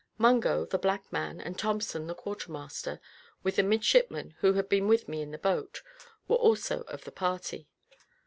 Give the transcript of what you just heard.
Mungo, the black man, and Thompson, the quarter master, with the midshipman who had been with me in the boat, were also of the party.